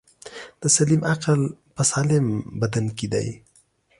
دسلیم عقل په سالم بدن کی دی.